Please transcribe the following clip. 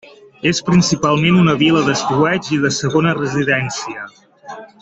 És principalment una vila d'estiueig i de segona residència.